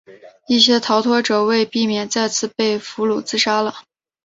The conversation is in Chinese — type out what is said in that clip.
一些逃脱者为避免再次被俘自杀了。